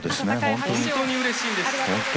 本当にうれしいです。